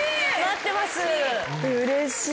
うれしい。